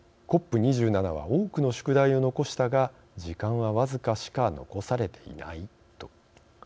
ＣＯＰ２７は多くの宿題を残したが、時間は僅かしか残されていない」と。